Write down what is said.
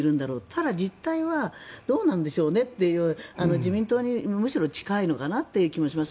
ただ、実態はどうなんでしょうねという自民党にむしろ近いのかなという気もします。